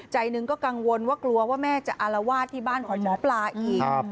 ใจหนึ่งก็กังวลว่ากลัวว่าแม่จะอารวาสที่บ้านของหมอปลาอีก